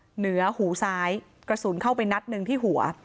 เหนือหูซ้ายกระสุนเข้าไปนัดหนึ่งที่หัว